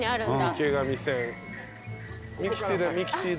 池上線。